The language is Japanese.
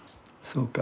そうか。